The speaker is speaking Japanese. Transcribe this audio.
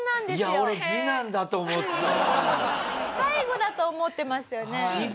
最後だと思ってましたよね。